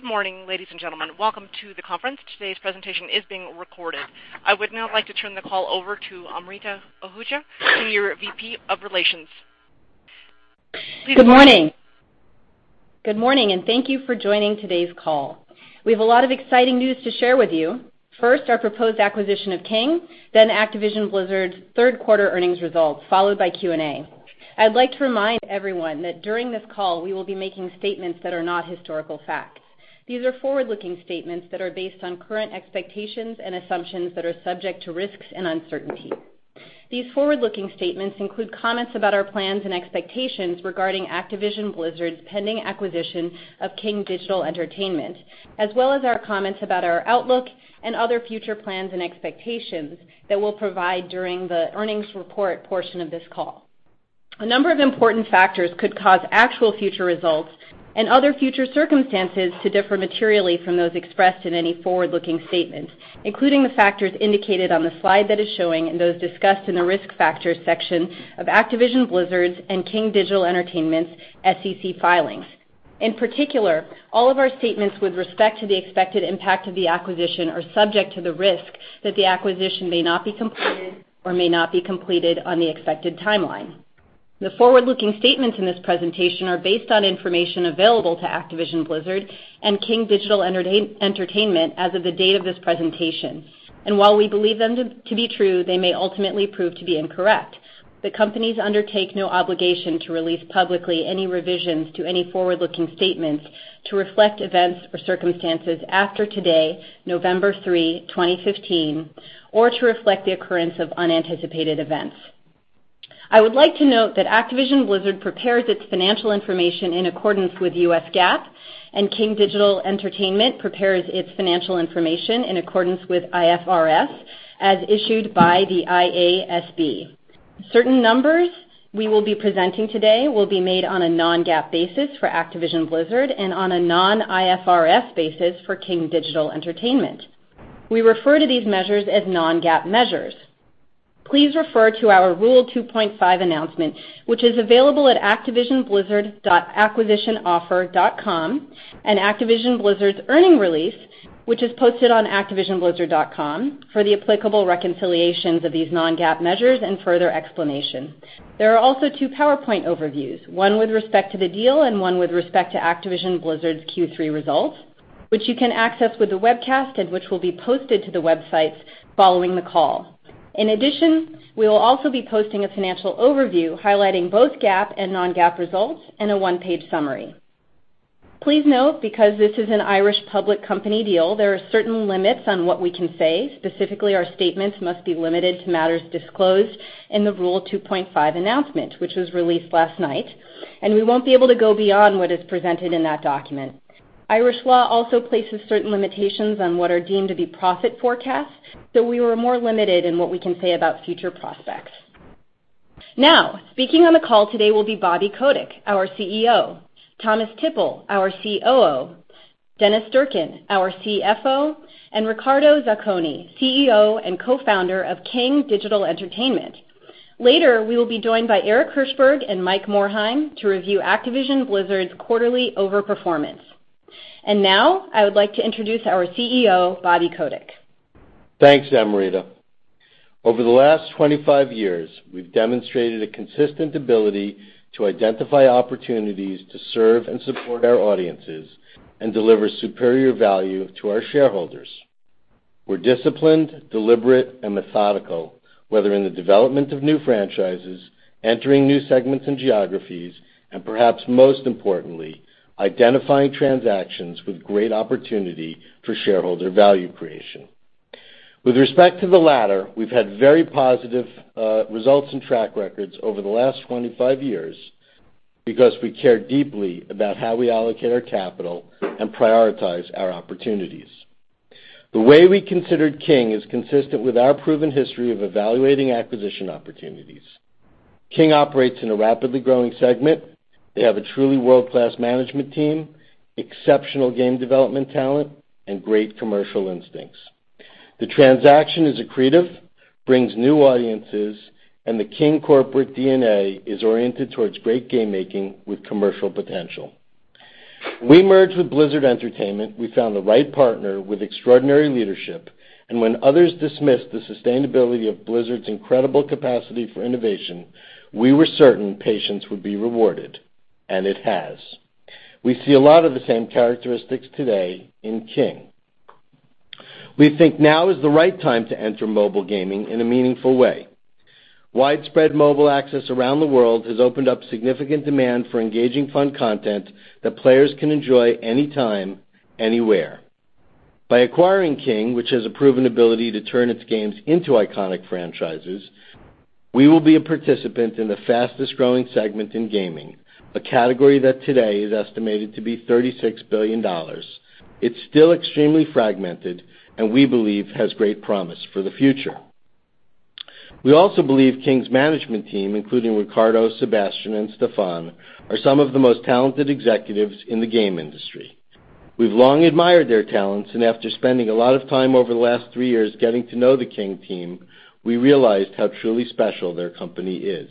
Good morning, ladies and gentlemen. Welcome to the conference. Today's presentation is being recorded. I would now like to turn the call over to Amrita Ahuja, Senior VP of Relations. Good morning. Thank you for joining today's call. We have a lot of exciting news to share with you. First, our proposed acquisition of King, then Activision Blizzard's third quarter earnings results, followed by Q&A. I'd like to remind everyone that during this call, we will be making statements that are not historical facts. These are forward-looking statements that are based on current expectations and assumptions that are subject to risks and uncertainty. These forward-looking statements include comments about our plans and expectations regarding Activision Blizzard's pending acquisition of King Digital Entertainment, as well as our comments about our outlook and other future plans and expectations that we'll provide during the earnings report portion of this call. A number of important factors could cause actual future results and other future circumstances to differ materially from those expressed in any forward-looking statement, including the factors indicated on the slide that is showing and those discussed in the Risk Factors section of Activision Blizzard's and King Digital Entertainment's SEC filings. In particular, all of our statements with respect to the expected impact of the acquisition are subject to the risk that the acquisition may not be completed or may not be completed on the expected timeline. The forward-looking statements in this presentation are based on information available to Activision Blizzard and King Digital Entertainment as of the date of this presentation, and while we believe them to be true, they may ultimately prove to be incorrect. The companies undertake no obligation to release publicly any revisions to any forward-looking statements to reflect events or circumstances after today, November 3, 2015, or to reflect the occurrence of unanticipated events. I would like to note that Activision Blizzard prepares its financial information in accordance with U.S. GAAP, and King Digital Entertainment prepares its financial information in accordance with IFRS as issued by the IASB. Certain numbers we will be presenting today will be made on a non-GAAP basis for Activision Blizzard and on a non-IFRS basis for King Digital Entertainment. We refer to these measures as non-GAAP measures. Please refer to our Rule 2.5 announcement, which is available at activisionblizzard.acquisitionoffer.com, and Activision Blizzard's earnings release, which is posted on activisionblizzard.com for the applicable reconciliations of these non-GAAP measures and further explanation. There are also two PowerPoint overviews, one with respect to the deal and one with respect to Activision Blizzard's Q3 results, which you can access with the webcast and which will be posted to the websites following the call. In addition, we will also be posting a financial overview highlighting both GAAP and non-GAAP results and a one-page summary. Please note, because this is an Irish public company deal, there are certain limits on what we can say. Specifically, our statements must be limited to matters disclosed in the Rule 2.5 announcement, which was released last night, and we won't be able to go beyond what is presented in that document. Irish law also places certain limitations on what are deemed to be profit forecasts, so we are more limited in what we can say about future prospects. Now, speaking on the call today will be Bobby Kotick, our CEO, Thomas Tippl, our COO, Dennis Durkin, our CFO, and Riccardo Zacconi, CEO and co-founder of King Digital Entertainment. Later, we will be joined by Eric Hirshberg and Mike Morhaime to review Activision Blizzard's quarterly over-performance. Now, I would like to introduce our CEO, Bobby Kotick. Thanks, Amrita. Over the last 25 years, we've demonstrated a consistent ability to identify opportunities to serve and support our audiences and deliver superior value to our shareholders. We're disciplined, deliberate, and methodical, whether in the development of new franchises, entering new segments and geographies, and perhaps most importantly, identifying transactions with great opportunity for shareholder value creation. With respect to the latter, we've had very positive results and track records over the last 25 years because we care deeply about how we allocate our capital and prioritize our opportunities. The way we considered King is consistent with our proven history of evaluating acquisition opportunities. King operates in a rapidly growing segment. They have a truly world-class management team, exceptional game development talent, and great commercial instincts. The transaction is accretive, brings new audiences, and the King corporate DNA is oriented towards great game-making with commercial potential. When we merged with Blizzard Entertainment, we found the right partner with extraordinary leadership, and when others dismissed the sustainability of Blizzard's incredible capacity for innovation, we were certain patience would be rewarded, and it has. We see a lot of the same characteristics today in King. We think now is the right time to enter mobile gaming in a meaningful way. Widespread mobile access around the world has opened up significant demand for engaging fun content that players can enjoy anytime, anywhere. By acquiring King, which has a proven ability to turn its games into iconic franchises, we will be a participant in the fastest-growing segment in gaming, a category that today is estimated to be $36 billion. It's still extremely fragmented and we believe has great promise for the future. We also believe King's management team, including Riccardo, Sebastian, and Stephane, are some of the most talented executives in the game industry. We've long admired their talents, and after spending a lot of time over the last three years getting to know the King team, we realized how truly special their company is.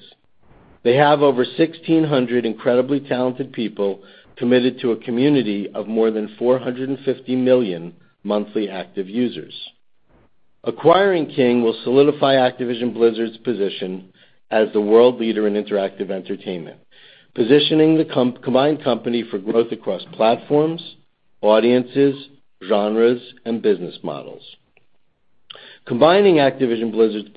They have over 1,600 incredibly talented people committed to a community of more than 450 million monthly active users. Acquiring King will solidify Activision Blizzard's position as the world leader in interactive entertainment, positioning the combined company for growth across platforms, audiences, genres, and business models. Combining Activision Blizzard's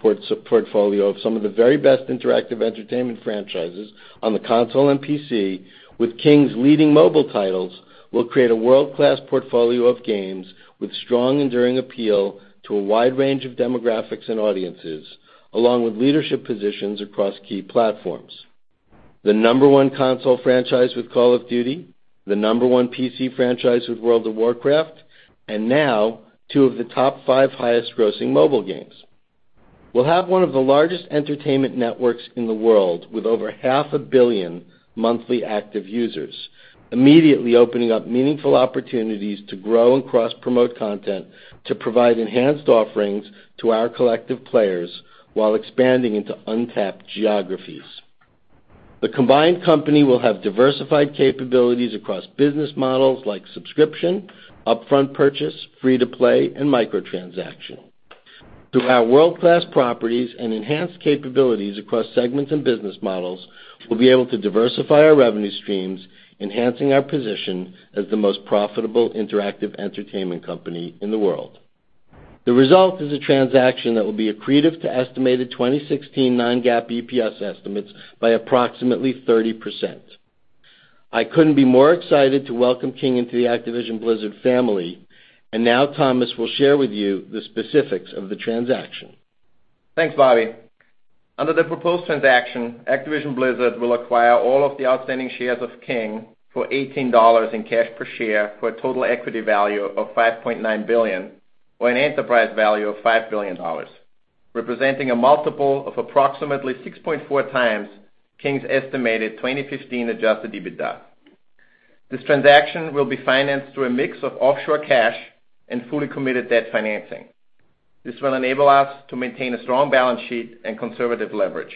portfolio of some of the very best interactive entertainment franchises on the console and PC with King's leading mobile titles will create a world-class portfolio of games with strong and enduring appeal to a wide range of demographics and audiences, along with leadership positions across key platforms. The number one console franchise with Call of Duty, the number one PC franchise with World of Warcraft, now two of the top five highest grossing mobile games. We'll have one of the largest entertainment networks in the world with over half a billion monthly active users, immediately opening up meaningful opportunities to grow and cross-promote content to provide enhanced offerings to our collective players while expanding into untapped geographies. The combined company will have diversified capabilities across business models like subscription, upfront purchase, free-to-play, and micro-transaction. Through our world-class properties and enhanced capabilities across segments and business models, we'll be able to diversify our revenue streams, enhancing our position as the most profitable interactive entertainment company in the world. The result is a transaction that will be accretive to estimated 2016 non-GAAP EPS estimates by approximately 30%. I couldn't be more excited to welcome King into the Activision Blizzard family. Now Thomas will share with you the specifics of the transaction. Thanks, Bobby. Under the proposed transaction, Activision Blizzard will acquire all of the outstanding shares of King for $18 in cash per share, for a total equity value of $5.9 billion or an enterprise value of $5 billion, representing a multiple of approximately 6.4 times King's estimated 2015 adjusted EBITDA. This transaction will be financed through a mix of offshore cash and fully committed debt financing. This will enable us to maintain a strong balance sheet and conservative leverage.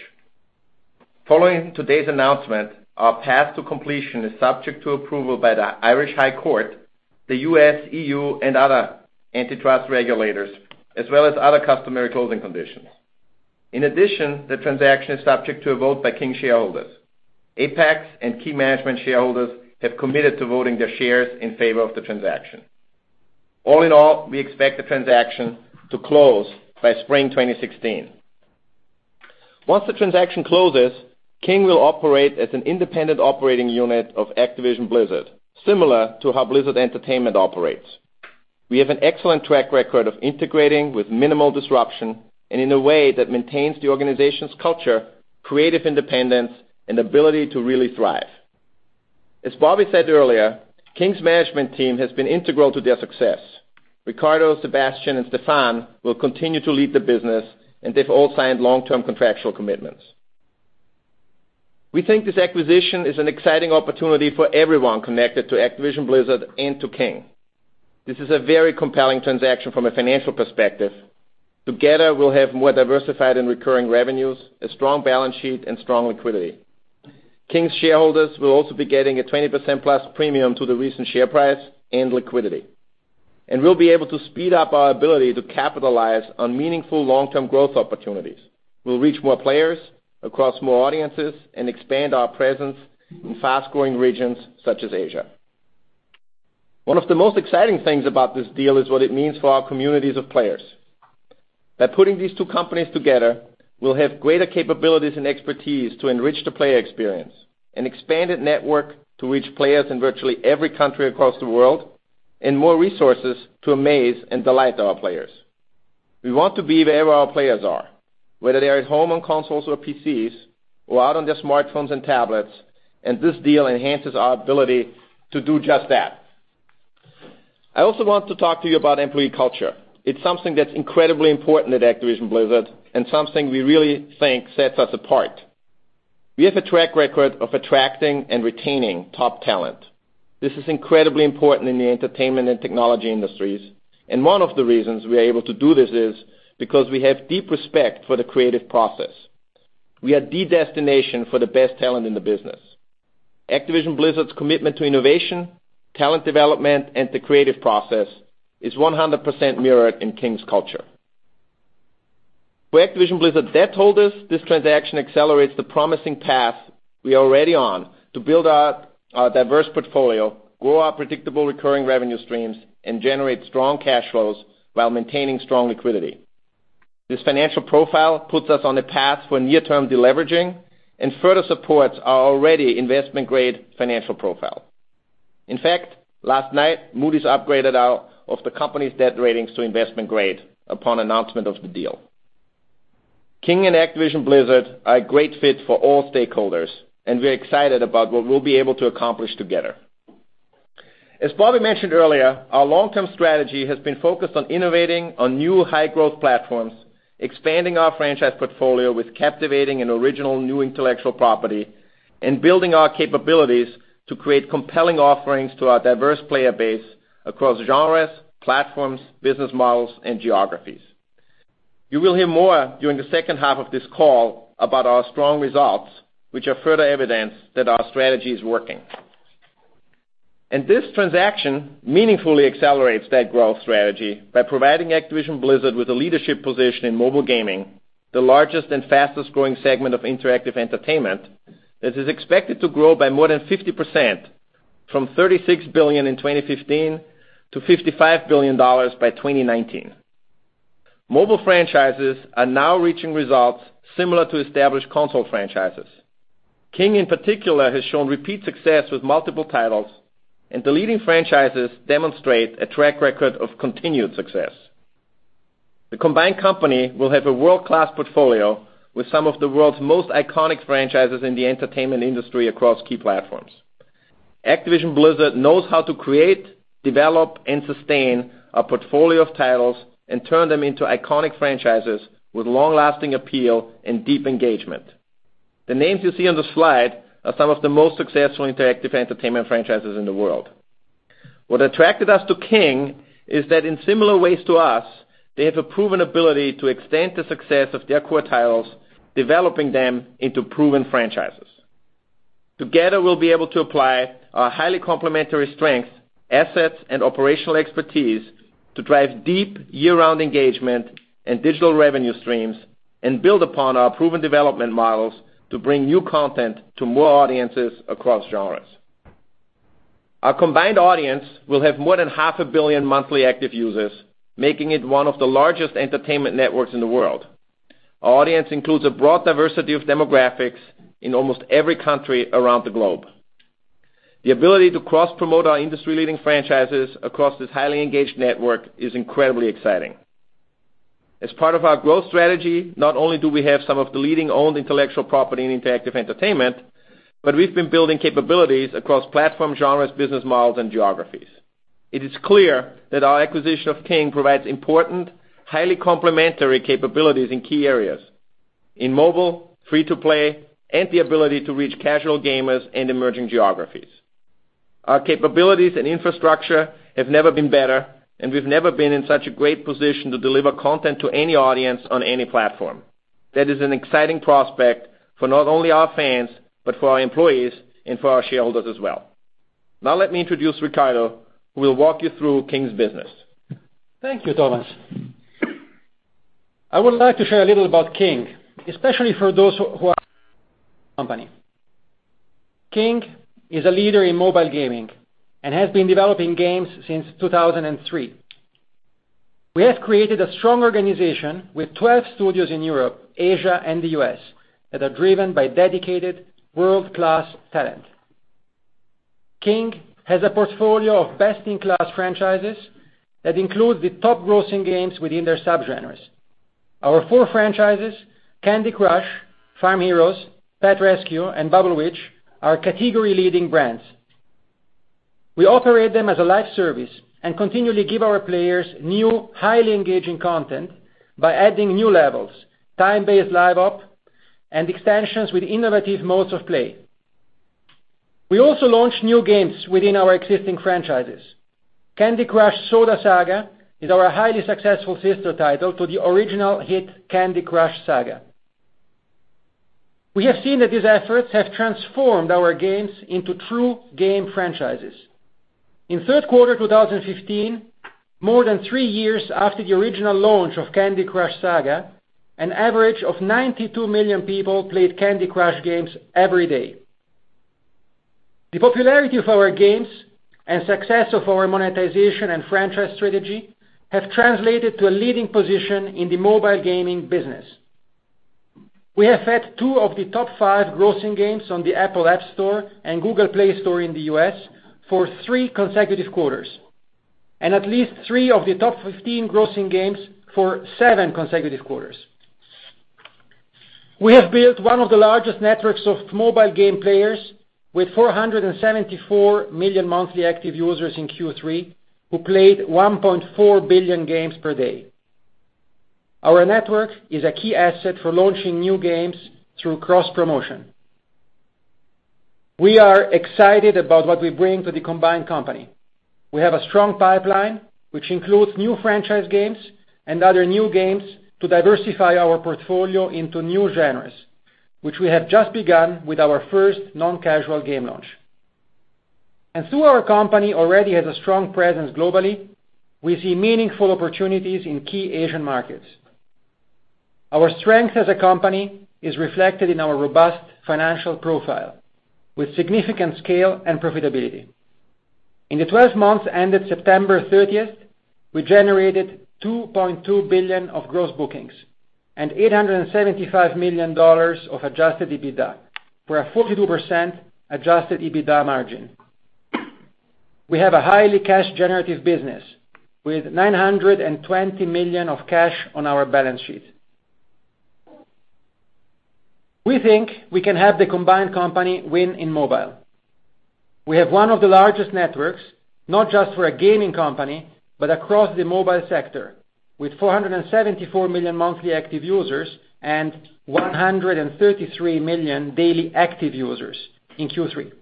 Following today's announcement, our path to completion is subject to approval by the Irish High Court, the U.S., EU, and other antitrust regulators, as well as other customary closing conditions. In addition, the transaction is subject to a vote by King shareholders. Apax and key management shareholders have committed to voting their shares in favor of the transaction. All in all, we expect the transaction to close by spring 2016. Once the transaction closes, King will operate as an independent operating unit of Activision Blizzard, similar to how Blizzard Entertainment operates. We have an excellent track record of integrating with minimal disruption and in a way that maintains the organization's culture, creative independence, and ability to really thrive. As Bobby said earlier, King's management team has been integral to their success. Riccardo, Sebastian, and Stephane will continue to lead the business, and they've all signed long-term contractual commitments. We think this acquisition is an exciting opportunity for everyone connected to Activision Blizzard and to King. This is a very compelling transaction from a financial perspective. Together, we'll have more diversified and recurring revenues, a strong balance sheet, and strong liquidity. King's shareholders will also be getting a 20% plus premium to the recent share price and liquidity. We'll be able to speed up our ability to capitalize on meaningful long-term growth opportunities. We'll reach more players across more audiences and expand our presence in fast-growing regions such as Asia. One of the most exciting things about this deal is what it means for our communities of players. By putting these two companies together, we'll have greater capabilities and expertise to enrich the player experience, an expanded network to reach players in virtually every country across the world, and more resources to amaze and delight our players. We want to be wherever our players are, whether they are at home on consoles or PCs, or out on their smartphones and tablets, and this deal enhances our ability to do just that. I also want to talk to you about employee culture. It's something that's incredibly important at Activision Blizzard and something we really think sets us apart. We have a track record of attracting and retaining top talent. This is incredibly important in the entertainment and technology industries, and one of the reasons we are able to do this is because we have deep respect for the creative process. We are the destination for the best talent in the business. Activision Blizzard's commitment to innovation, talent development, and the creative process is 100% mirrored in King's culture. For Activision Blizzard debt holders, this transaction accelerates the promising path we are already on to build out our diverse portfolio, grow our predictable recurring revenue streams, and generate strong cash flows while maintaining strong liquidity. This financial profile puts us on a path for near-term deleveraging and further supports our already investment-grade financial profile. In fact, last night, Moody's upgraded all of the company's debt ratings to investment grade upon announcement of the deal. King and Activision Blizzard are a great fit for all stakeholders, and we're excited about what we'll be able to accomplish together. As Bobby mentioned earlier, our long-term strategy has been focused on innovating on new high-growth platforms, expanding our franchise portfolio with captivating and original new intellectual property, and building our capabilities to create compelling offerings to our diverse player base across genres, platforms, business models, and geographies. You will hear more during the second half of this call about our strong results, which are further evidence that our strategy is working. This transaction meaningfully accelerates that growth strategy by providing Activision Blizzard with a leadership position in mobile gaming, the largest and fastest-growing segment of interactive entertainment that is expected to grow by more than 50%, from $36 billion in 2015 to $55 billion by 2019. Mobile franchises are now reaching results similar to established console franchises. King in particular, has shown repeat success with multiple titles, and the leading franchises demonstrate a track record of continued success. The combined company will have a world-class portfolio with some of the world's most iconic franchises in the entertainment industry across key platforms. Activision Blizzard knows how to create, develop, and sustain a portfolio of titles and turn them into iconic franchises with long-lasting appeal and deep engagement. The names you see on this slide are some of the most successful interactive entertainment franchises in the world. What attracted us to King is that in similar ways to us, they have a proven ability to extend the success of their core titles, developing them into proven franchises. Together, we'll be able to apply our highly complementary strengths, assets, and operational expertise to drive deep year-round engagement and digital revenue streams and build upon our proven development models to bring new content to more audiences across genres. Our combined audience will have more than half a billion monthly active users, making it one of the largest entertainment networks in the world. Our audience includes a broad diversity of demographics in almost every country around the globe. The ability to cross-promote our industry-leading franchises across this highly engaged network is incredibly exciting. As part of our growth strategy, not only do we have some of the leading owned intellectual property in interactive entertainment, but we've been building capabilities across platforms, genres, business models, and geographies. It is clear that our acquisition of King provides important, highly complementary capabilities in key areas. In mobile, free-to-play, and the ability to reach casual gamers and emerging geographies. Our capabilities and infrastructure have never been better, and we've never been in such a great position to deliver content to any audience on any platform. That is an exciting prospect for not only our fans, but for our employees and for our shareholders as well. Now let me introduce Riccardo, who will walk you through King's business. Thank you, Thomas. I would like to share a little about King, especially for those who are company. King is a leader in mobile gaming and has been developing games since 2003. We have created a strong organization with 12 studios in Europe, Asia, and the U.S. that are driven by dedicated world-class talent. King has a portfolio of best-in-class franchises that include the top grossing games within their subgenres. Our four franchises, Candy Crush, Farm Heroes, Pet Rescue, and Bubble Witch, are category-leading brands. We operate them as a live service and continually give our players new, highly engaging content by adding new levels, time-based live op, and extensions with innovative modes of play. We also launch new games within our existing franchises. Candy Crush Soda Saga is our highly successful sister title to the original hit Candy Crush Saga. We have seen that these efforts have transformed our games into true game franchises. In the third quarter 2015, more than three years after the original launch of Candy Crush Saga, an average of 92 million people played Candy Crush games every day. The popularity of our games and success of our monetization and franchise strategy have translated to a leading position in the mobile gaming business. We have had two of the top five grossing games on the Apple App Store and Google Play Store in the U.S. for three consecutive quarters, and at least three of the top 15 grossing games for seven consecutive quarters. We have built one of the largest networks of mobile game players with 474 million monthly active users in Q3 who played 1.4 billion games per day. Our network is a key asset for launching new games through cross-promotion. We are excited about what we bring to the combined company. We have a strong pipeline, which includes new franchise games and other new games to diversify our portfolio into new genres, which we have just begun with our first non-casual game launch. Though our company already has a strong presence globally, we see meaningful opportunities in key Asian markets. Our strength as a company is reflected in our robust financial profile with significant scale and profitability. In the 12 months ended September 30th, we generated $2.2 billion of gross bookings and $875 million of adjusted EBITDA for a 42% adjusted EBITDA margin. We have a highly cash-generative business with $920 million of cash on our balance sheet. We think we can have the combined company win in mobile. We have one of the largest networks, not just for a gaming company, but across the mobile sector, with 474 million monthly active users and 133 million daily active users in Q3.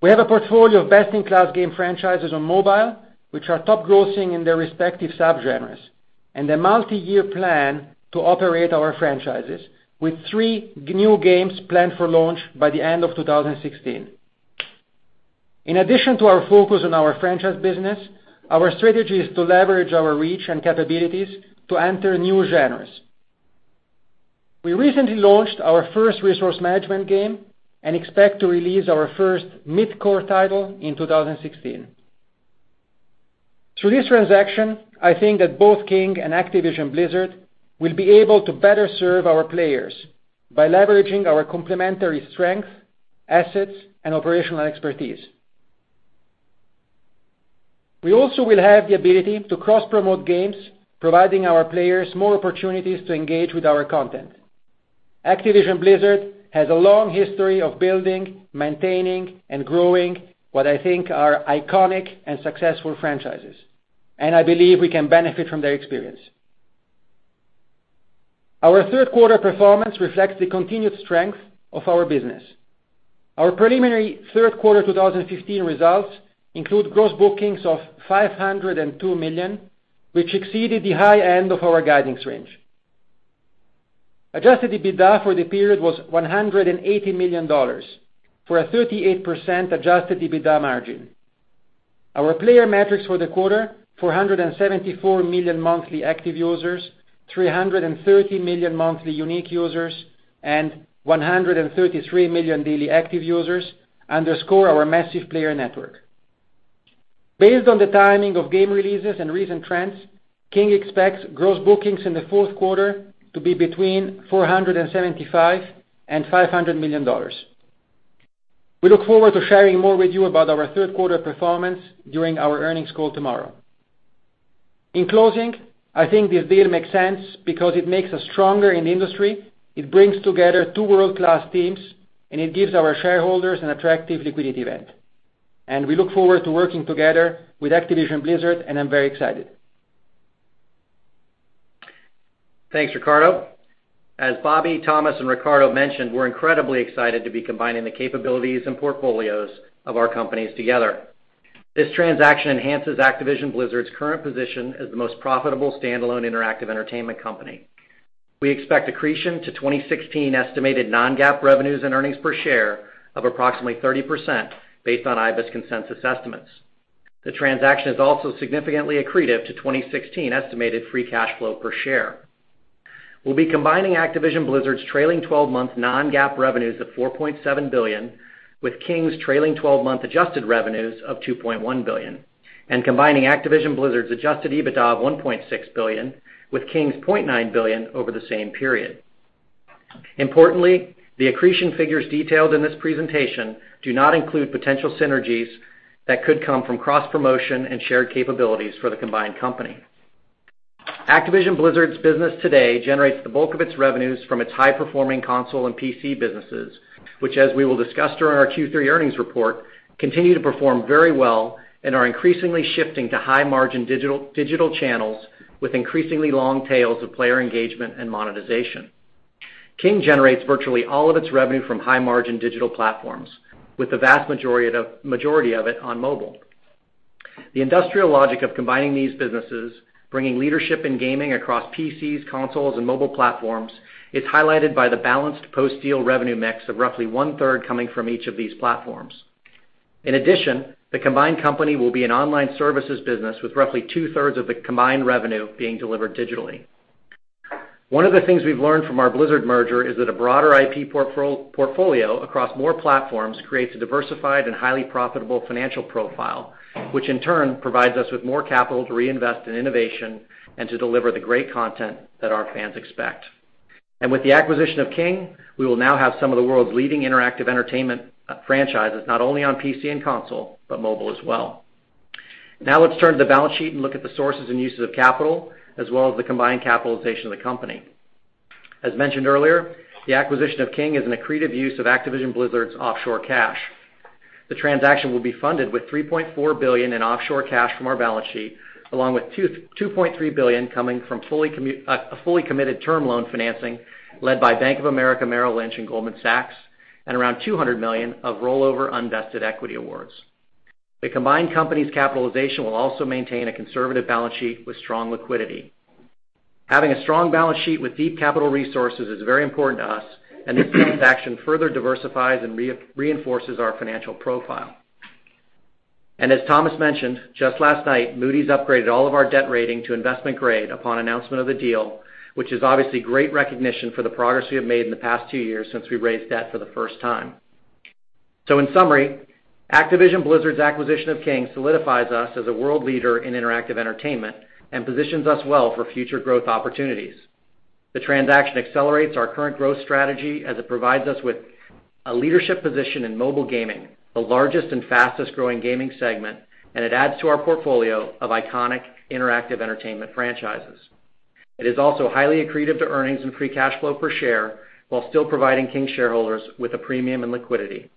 We have a portfolio of best-in-class game franchises on mobile, which are top grossing in their respective subgenres, and a multi-year plan to operate our franchises, with three new games planned for launch by the end of 2016. In addition to our focus on our franchise business, our strategy is to leverage our reach and capabilities to enter new genres. We recently launched our first resource management game and expect to release our first midcore title in 2016. Through this transaction, I think that both King and Activision Blizzard will be able to better serve our players by leveraging our complementary strength, assets, and operational expertise. We also will have the ability to cross-promote games, providing our players more opportunities to engage with our content. Activision Blizzard has a long history of building, maintaining, and growing what I think are iconic and successful franchises. I believe we can benefit from their experience. Our third quarter performance reflects the continued strength of our business. Our preliminary third quarter 2015 results include gross bookings of $502 million, which exceeded the high end of our guidance range. Adjusted EBITDA for the period was $180 million, for a 38% adjusted EBITDA margin. Our player metrics for the quarter, 474 million monthly active users, 330 million monthly unique users, and 133 million daily active users underscore our massive player network. Based on the timing of game releases and recent trends, King expects gross bookings in the fourth quarter to be between $475 million and $500 million. We look forward to sharing more with you about our third quarter performance during our earnings call tomorrow. In closing, I think this deal makes sense because it makes us stronger in the industry, it brings together two world-class teams, and it gives our shareholders an attractive liquidity event. We look forward to working together with Activision Blizzard, and I'm very excited. Thanks, Riccardo. As Bobby, Thomas, and Riccardo mentioned, we're incredibly excited to be combining the capabilities and portfolios of our companies together. This transaction enhances Activision Blizzard's current position as the most profitable standalone interactive entertainment company. We expect accretion to 2016 estimated non-GAAP revenues and earnings per share of approximately 30%, based on I/B/E/S consensus estimates. The transaction is also significantly accretive to 2016 estimated free cash flow per share. We'll be combining Activision Blizzard's trailing 12-month non-GAAP revenues of $4.7 billion with King's trailing 12-month adjusted revenues of $2.1 billion, and combining Activision Blizzard's adjusted EBITDA of $1.6 billion with King's $0.9 billion over the same period. Importantly, the accretion figures detailed in this presentation do not include potential synergies that could come from cross-promotion and shared capabilities for the combined company. Activision Blizzard's business today generates the bulk of its revenues from its high-performing console and PC businesses, which, as we will discuss during our Q3 earnings report, continue to perform very well and are increasingly shifting to high-margin digital channels with increasingly long tails of player engagement and monetization. King generates virtually all of its revenue from high-margin digital platforms, with the vast majority of it on mobile. The industrial logic of combining these businesses, bringing leadership in gaming across PCs, consoles, and mobile platforms, is highlighted by the balanced post-deal revenue mix of roughly one-third coming from each of these platforms. In addition, the combined company will be an online services business with roughly two-thirds of the combined revenue being delivered digitally. One of the things we've learned from our Blizzard merger is that a broader IP portfolio across more platforms creates a diversified and highly profitable financial profile, which in turn provides us with more capital to reinvest in innovation and to deliver the great content that our fans expect. With the acquisition of King, we will now have some of the world's leading interactive entertainment franchises, not only on PC and console, but mobile as well. Let's turn to the balance sheet and look at the sources and uses of capital, as well as the combined capitalization of the company. As mentioned earlier, the acquisition of King is an accretive use of Activision Blizzard's offshore cash. The transaction will be funded with $3.4 billion in offshore cash from our balance sheet, along with $2.3 billion coming from a fully committed term loan financing led by Bank of America, Merrill Lynch, and Goldman Sachs, and around $200 million of rollover unvested equity awards. The combined company's capitalization will also maintain a conservative balance sheet with strong liquidity. Having a strong balance sheet with deep capital resources is very important to us, and this transaction further diversifies and reinforces our financial profile. As Thomas mentioned, just last night, Moody's upgraded all of our debt rating to investment grade upon announcement of the deal, which is obviously great recognition for the progress we have made in the past two years since we raised debt for the first time. In summary, Activision Blizzard's acquisition of King solidifies us as a world leader in interactive entertainment and positions us well for future growth opportunities. The transaction accelerates our current growth strategy as it provides us with a leadership position in mobile gaming, the largest and fastest-growing gaming segment, and it adds to our portfolio of iconic interactive entertainment franchises. It is also highly accretive to earnings and free cash flow per share while still providing King shareholders with a premium and liquidity.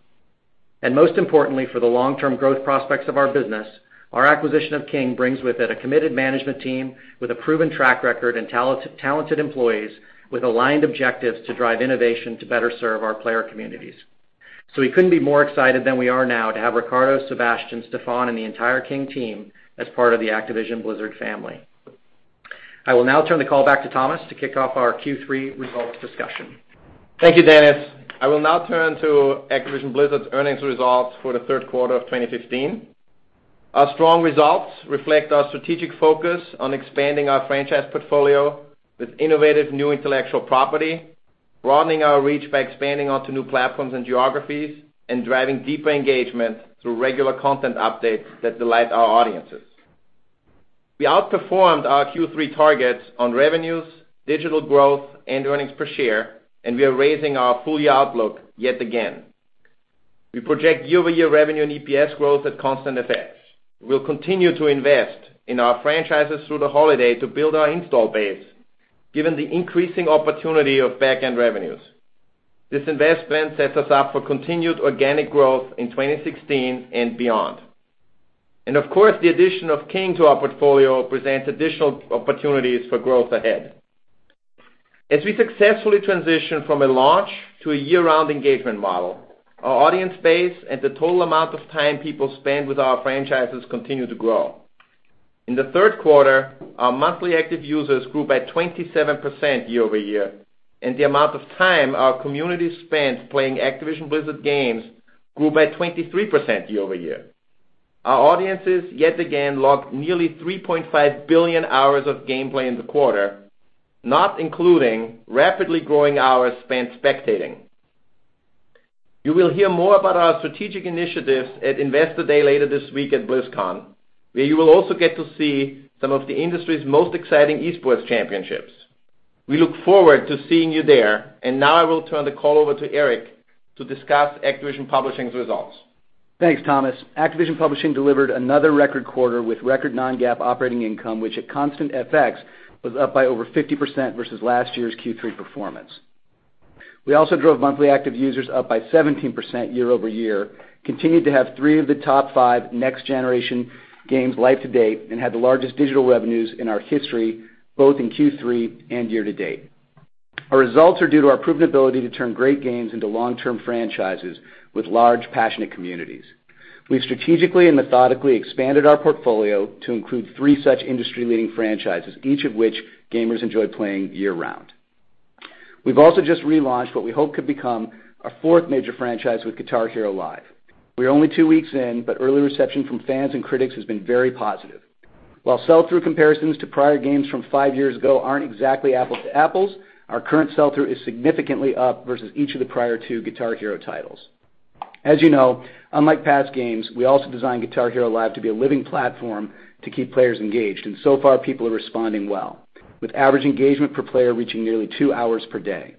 Most importantly for the long-term growth prospects of our business, our acquisition of King brings with it a committed management team with a proven track record and talented employees with aligned objectives to drive innovation to better serve our player communities. We couldn't be more excited than we are now to have Riccardo, Sebastian, Stephane, and the entire King team as part of the Activision Blizzard family. I will now turn the call back to Thomas to kick off our Q3 results discussion. Thank you, Dennis. I will now turn to Activision Blizzard's earnings results for the third quarter of 2015. Our strong results reflect our strategic focus on expanding our franchise portfolio with innovative new intellectual property, broadening our reach by expanding onto new platforms and geographies, and driving deeper engagement through regular content updates that delight our audiences. We outperformed our Q3 targets on revenues, digital growth, and earnings per share, and we are raising our full-year outlook yet again. We project year-over-year revenue and EPS growth at constant FX. We'll continue to invest in our franchises through the holiday to build our install base, given the increasing opportunity of back-end revenues. This investment sets us up for continued organic growth in 2016 and beyond. Of course, the addition of King to our portfolio presents additional opportunities for growth ahead. As we successfully transition from a launch to a year-round engagement model, our audience base and the total amount of time people spend with our franchises continue to grow. In the third quarter, our monthly active users grew by 27% year-over-year, and the amount of time our community spent playing Activision Blizzard games grew by 23% year-over-year. Our audiences, yet again, logged nearly 3.5 billion hours of gameplay in the quarter, not including rapidly growing hours spent spectating. You will hear more about our strategic initiatives at Investor Day later this week at BlizzCon, where you will also get to see some of the industry's most exciting esports championships. We look forward to seeing you there. Now I will turn the call over to Eric to discuss Activision Publishing's results. Thanks, Thomas. Activision Publishing delivered another record quarter with record non-GAAP operating income, which at constant FX, was up by over 50% versus last year's Q3 performance. We also drove monthly active users up by 17% year-over-year, continued to have three of the top five next-generation games live to date, and had the largest digital revenues in our history, both in Q3 and year to date. Our results are due to our proven ability to turn great games into long-term franchises with large, passionate communities. We've strategically and methodically expanded our portfolio to include three such industry-leading franchises, each of which gamers enjoy playing year-round. We've also just relaunched what we hope could become our fourth major franchise with Guitar Hero Live. We're only two weeks in, but early reception from fans and critics has been very positive. While sell-through comparisons to prior games from five years ago aren't exactly apples to apples, our current sell-through is significantly up versus each of the prior two Guitar Hero titles. As you know, unlike past games, we also designed Guitar Hero Live to be a living platform to keep players engaged. So far, people are responding well, with average engagement per player reaching nearly two hours per day.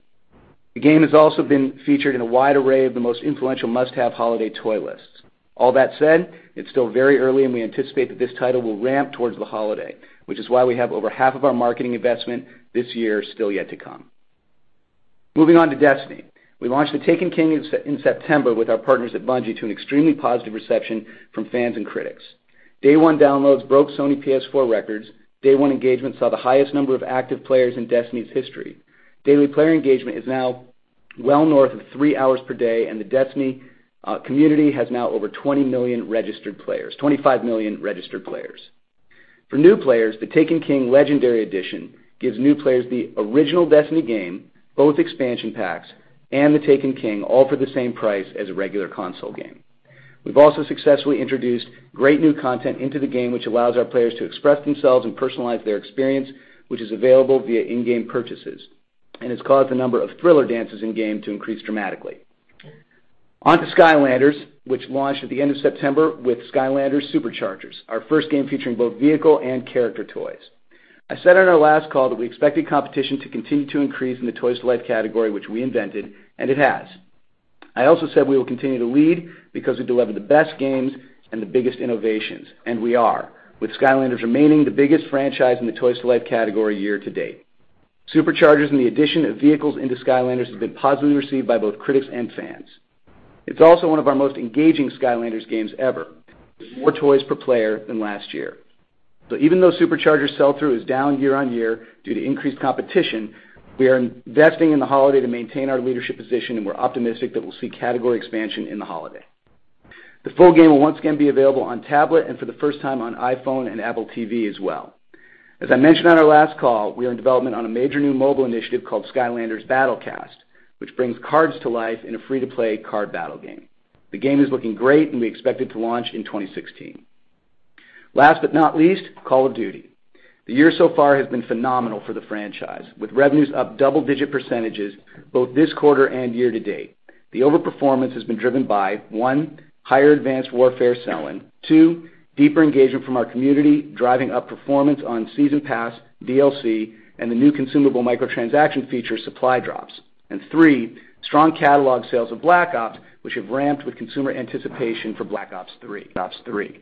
The game has also been featured in a wide array of the most influential must-have holiday toy lists. All that said, it's still very early, and we anticipate that this title will ramp towards the holiday, which is why we have over half of our marketing investment this year still yet to come. Moving on to Destiny. We launched The Taken King in September with our partners at Bungie to an extremely positive reception from fans and critics. Day one downloads broke Sony PS4 records. Day one engagement saw the highest number of active players in Destiny's history. Daily player engagement is now well north of three hours per day. The Destiny community has now over 20 million registered players, 25 million registered players. For new players, The Taken King Legendary Edition gives new players the original Destiny game, both expansion packs, and The Taken King, all for the same price as a regular console game. We've also successfully introduced great new content into the game, which allows our players to express themselves and personalize their experience, which is available via in-game purchases, and it's caused the number of Thriller dances in-game to increase dramatically. On to Skylanders, which launched at the end of September with Skylanders SuperChargers, our first game featuring both vehicle and character toys. I said on our last call that we expected competition to continue to increase in the toys-to-life category, which we invented, and it has. I also said we will continue to lead because we deliver the best games and the biggest innovations, and we are, with Skylanders remaining the biggest franchise in the toys-to-life category year-to-date. SuperChargers and the addition of vehicles into Skylanders have been positively received by both critics and fans. It's also one of our most engaging Skylanders games ever, with more toys per player than last year. Even though SuperChargers sell-through is down year-on-year due to increased competition, we are investing in the holiday to maintain our leadership position, and we're optimistic that we'll see category expansion in the holiday. The full game will once again be available on tablet and for the first time on iPhone and Apple TV as well. As I mentioned on our last call, we are in development on a major new mobile initiative called Skylanders Battlecast, which brings cards to life in a free-to-play card battle game. The game is looking great, and we expect it to launch in 2016. Last but not least, Call of Duty. The year so far has been phenomenal for the franchise, with revenues up double-digit percentages both this quarter and year-to-date. The overperformance has been driven by, one, higher Advanced Warfare selling. Two, deeper engagement from our community, driving up performance on season pass, DLC, and the new consumable micro-transaction feature, Supply Drops. Three, strong catalog sales of Black Ops, which have ramped with consumer anticipation for Black Ops III.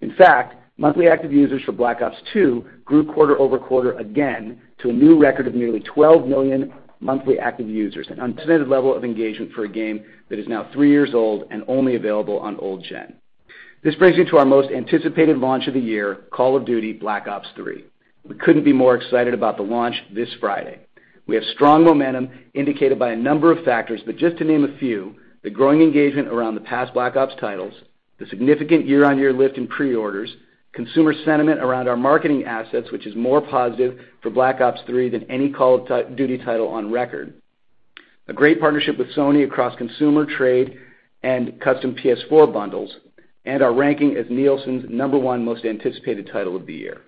In fact, monthly active users for Black Ops II grew quarter-over-quarter again to a new record of nearly 12 million monthly active users, an unprecedented level of engagement for a game that is now three years old and only available on old gen. This brings me to our most anticipated launch of the year, "Call of Duty: Black Ops III." We couldn't be more excited about the launch this Friday. We have strong momentum indicated by a number of factors, but just to name a few, the growing engagement around the past Black Ops titles, the significant year-on-year lift in pre-orders, consumer sentiment around our marketing assets, which is more positive for Black Ops III than any Call of Duty title on record, a great partnership with Sony across consumer trade and custom PS4 bundles, and our ranking as Nielsen's number one most anticipated title of the year.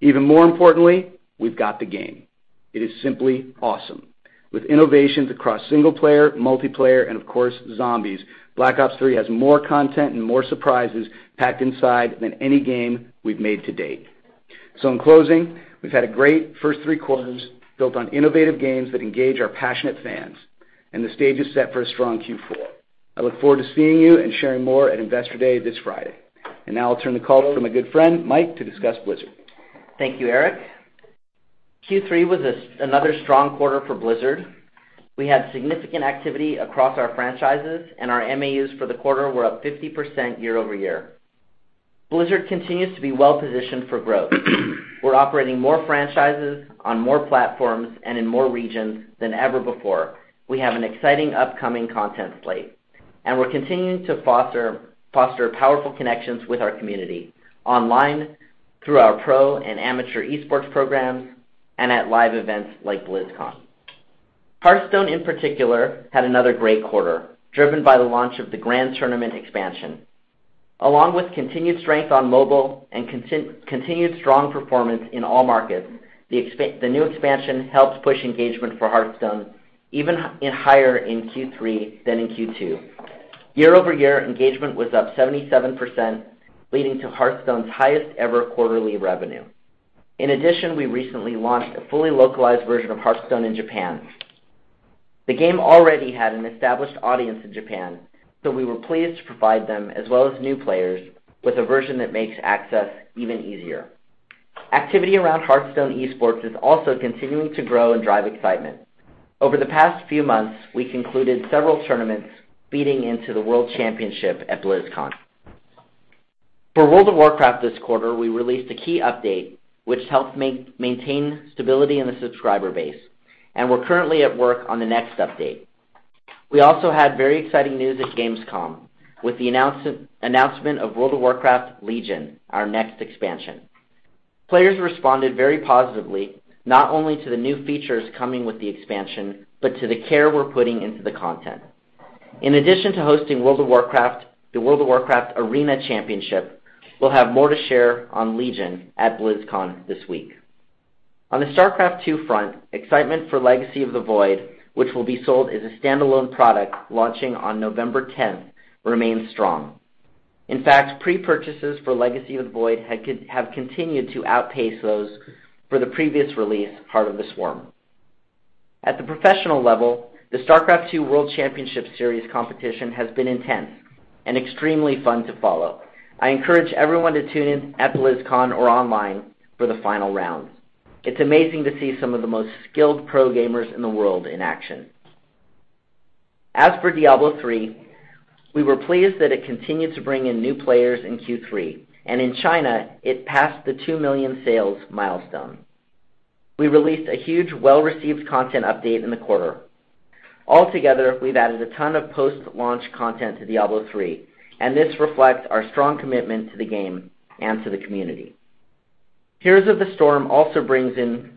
Even more importantly, we've got the game. It is simply awesome. With innovations across single-player, multiplayer, and of course, zombies, Black Ops III has more content and more surprises packed inside than any game we've made to date. In closing, we've had a great first three quarters built on innovative games that engage our passionate fans, and the stage is set for a strong Q4. I look forward to seeing you and sharing more at Investor Day this Friday. Now I'll turn the call over to my good friend Mike to discuss Blizzard. Thank you, Eric. Q3 was another strong quarter for Blizzard. We had significant activity across our franchises, and our MAUs for the quarter were up 50% year-over-year. Blizzard continues to be well-positioned for growth. We're operating more franchises on more platforms and in more regions than ever before. We have an exciting upcoming content slate, and we're continuing to foster powerful connections with our community online through our pro and amateur esports programs and at live events like BlizzCon. Hearthstone, in particular, had another great quarter, driven by the launch of The Grand Tournament expansion. Along with continued strength on mobile and continued strong performance in all markets, the new expansion helps push engagement for Hearthstone even higher in Q3 than in Q2. Year-over-year, engagement was up 77%, leading to Hearthstone's highest ever quarterly revenue. In addition, we recently launched a fully localized version of Hearthstone in Japan. The game already had an established audience in Japan, so we were pleased to provide them, as well as new players, with a version that makes access even easier. Activity around Hearthstone esports is also continuing to grow and drive excitement. Over the past few months, we concluded several tournaments feeding into the world championship at BlizzCon. For World of Warcraft this quarter, we released a key update which helped maintain stability in the subscriber base, and we're currently at work on the next update. We also had very exciting news at Gamescom with the announcement of World of Warcraft: Legion, our next expansion. Players responded very positively, not only to the new features coming with the expansion, but to the care we're putting into the content. In addition to hosting the World of Warcraft Arena Championship, we'll have more to share on Legion at BlizzCon this week. On the StarCraft II front, excitement for Legacy of the Void, which will be sold as a standalone product launching on November 10th, remains strong. In fact, pre-purchases for Legacy of the Void have continued to outpace those for the previous release, Heart of the Swarm. At the professional level, the StarCraft II World Championship Series competition has been intense and extremely fun to follow. I encourage everyone to tune in at BlizzCon or online for the final round. It's amazing to see some of the most skilled pro gamers in the world in action. As for Diablo III, we were pleased that it continued to bring in new players in Q3, and in China, it passed the 2 million sales milestone. We released a huge, well-received content update in the quarter. Altogether, we've added a ton of post-launch content to Diablo III, and this reflects our strong commitment to the game and to the community. Heroes of the Storm also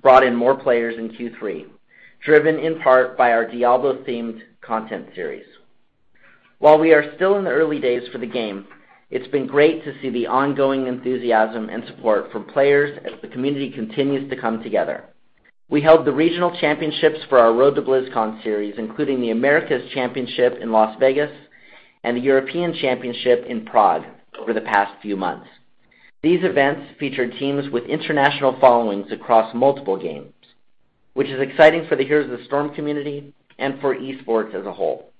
brought in more players in Q3, driven in part by our Diablo-themed content series. While we are still in the early days for the game, it's been great to see the ongoing enthusiasm and support from players as the community continues to come together. We held the regional championships for our Road to BlizzCon series, including the Americas Championship in Las Vegas and the European Championship in Prague over the past few months. These events featured teams with international followings across multiple games, which is exciting for the Heroes of the Storm community and for esports as a whole.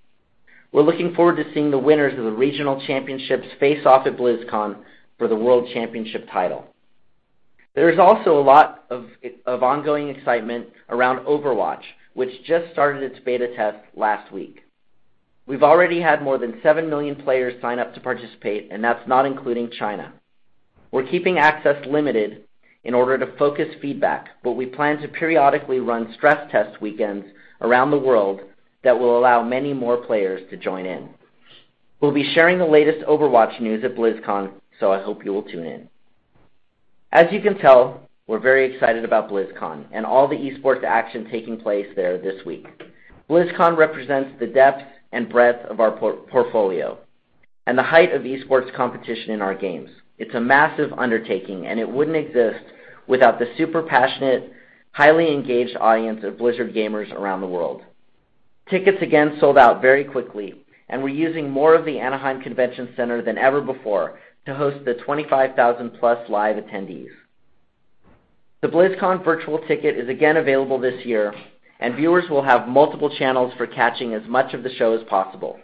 We're looking forward to seeing the winners of the regional championships face off at BlizzCon for the World Championship title. There's also a lot of ongoing excitement around Overwatch, which just started its beta test last week. We've already had more than 7 million players sign up to participate, and that's not including China. We're keeping access limited in order to focus feedback, but we plan to periodically run stress test weekends around the world that will allow many more players to join in. I hope you will tune in. As you can tell, we're very excited about BlizzCon and all the esports action taking place there this week. BlizzCon represents the depth and breadth of our portfolio and the height of esports competition in our games. It's a massive undertaking, and it wouldn't exist without the super passionate, highly engaged audience of Blizzard gamers around the world. Tickets again sold out very quickly, and we're using more of the Anaheim Convention Center than ever before to host the 25,000-plus live attendees. The BlizzCon virtual ticket is again available this year, and viewers will have multiple channels for catching as much of the show as possible.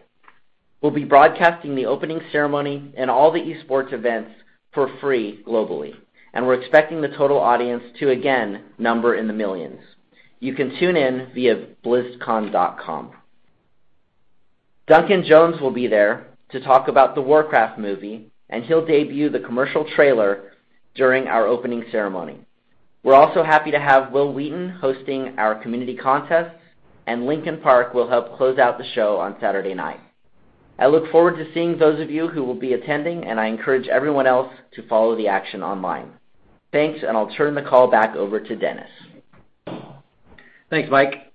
We'll be broadcasting the opening ceremony and all the esports events for free globally, and we're expecting the total audience to again number in the millions. You can tune in via blizzcon.com. Duncan Jones will be there to talk about the Warcraft movie, and he'll debut the commercial trailer during our opening ceremony. We're also happy to have Wil Wheaton hosting our community contest, and Linkin Park will help close out the show on Saturday night. I look forward to seeing those of you who will be attending, and I encourage everyone else to follow the action online. Thanks. I'll turn the call back over to Dennis. Thanks, Mike.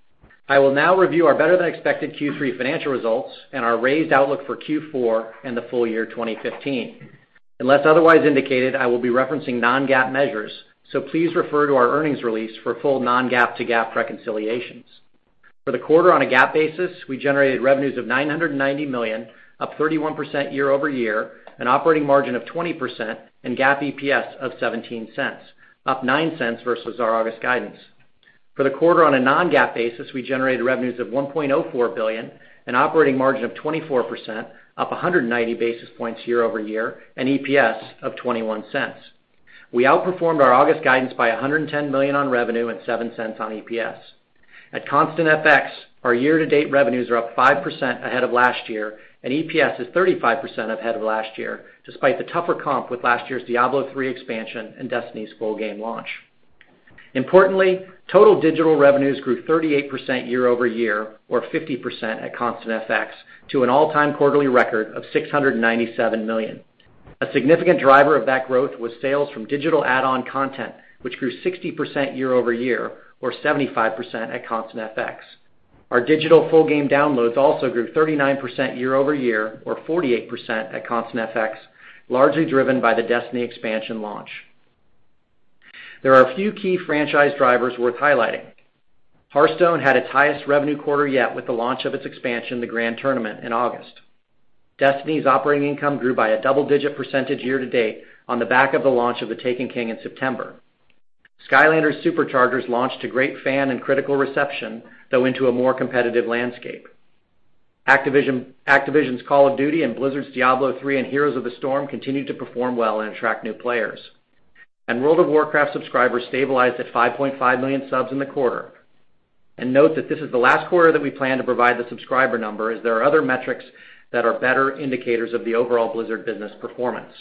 I will now review our better-than-expected Q3 financial results and our raised outlook for Q4 and the full year 2015. Unless otherwise indicated, I will be referencing non-GAAP measures. Please refer to our earnings release for full non-GAAP to GAAP reconciliations. For the quarter on a GAAP basis, we generated revenues of $990 million, up 31% year-over-year, an operating margin of 20%, and GAAP EPS of $0.17, up $0.09 versus our August guidance. For the quarter on a non-GAAP basis, we generated revenues of $1.04 billion, an operating margin of 24%, up 190 basis points year-over-year, and EPS of $0.21. We outperformed our August guidance by $110 million on revenue and $0.07 on EPS. At Constant FX, our year-to-date revenues are up 5% ahead of last year, and EPS is 35% ahead of last year, despite the tougher comp with last year's Diablo III expansion and Destiny's full game launch. Importantly, total digital revenues grew 38% year-over-year or 50% at Constant FX to an all-time quarterly record of $697 million. A significant driver of that growth was sales from digital add-on content, which grew 60% year-over-year or 75% at Constant FX. Our digital full game downloads also grew 39% year-over-year or 48% at Constant FX, largely driven by the Destiny expansion launch. There are a few key franchise drivers worth highlighting. Hearthstone had its highest revenue quarter yet with the launch of its expansion, The Grand Tournament, in August. Destiny's operating income grew by a double-digit percentage year-to-date on the back of the launch of The Taken King in September. Skylanders SuperChargers launched to great fan and critical reception, though into a more competitive landscape. Activision's Call of Duty and Blizzard's Diablo III and Heroes of the Storm continued to perform well and attract new players. World of Warcraft subscribers stabilized at 5.5 million subs in the quarter. Note that this is the last quarter that we plan to provide the subscriber number, as there are other metrics that are better indicators of the overall Blizzard business performance.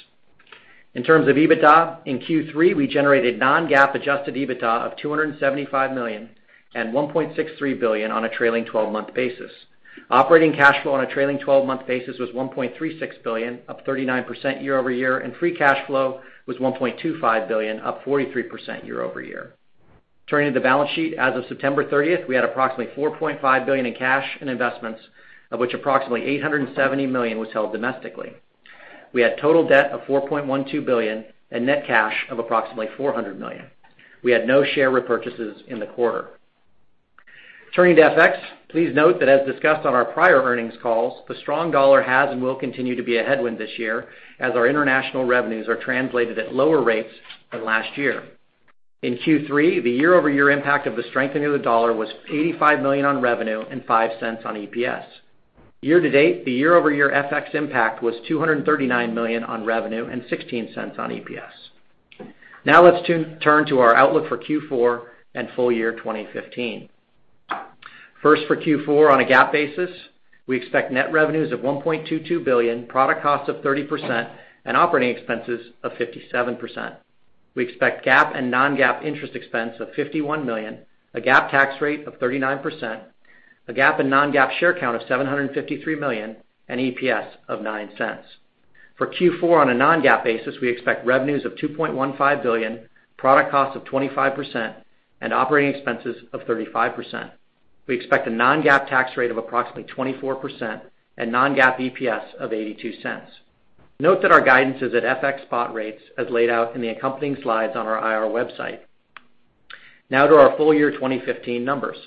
In terms of EBITDA, in Q3, we generated non-GAAP adjusted EBITDA of $275 million and $1.63 billion on a trailing 12-month basis. Operating cash flow on a trailing 12-month basis was $1.36 billion, up 39% year-over-year, and free cash flow was $1.25 billion, up 43% year-over-year. Turning to the balance sheet, as of September 30th, we had approximately $4.5 billion in cash and investments, of which approximately $870 million was held domestically. We had total debt of $4.12 billion and net cash of approximately $400 million. We had no share repurchases in the quarter. Turning to FX, please note that as discussed on our prior earnings calls, the strong dollar has and will continue to be a headwind this year as our international revenues are translated at lower rates than last year. In Q3, the year-over-year impact of the strengthening of the dollar was $85 million on revenue and $0.05 on EPS. Year-to-date, the year-over-year FX impact was $239 million on revenue and $0.16 on EPS. Let's turn to our outlook for Q4 and full year 2015. For Q4 on a GAAP basis, we expect net revenues of $1.22 billion, product costs of 30%, and operating expenses of 57%. We expect GAAP and non-GAAP interest expense of $51 million, a GAAP tax rate of 39%, a GAAP and non-GAAP share count of 753 million, and EPS of $0.09. For Q4 on a non-GAAP basis, we expect revenues of $2.15 billion, product costs of 25%, and operating expenses of 35%. We expect a non-GAAP tax rate of approximately 24% and non-GAAP EPS of $0.82. Note that our guidance is at FX spot rates, as laid out in the accompanying slides on our IR website. To our full year 2015 numbers.